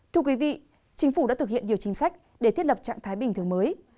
thưa quý vị chính phủ đã thực hiện nhiều chính sách để thiết lập trạng thái bình thường mới